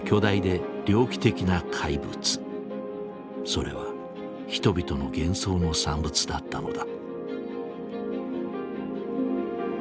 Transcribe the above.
それは人々の幻想の産物だったのだ。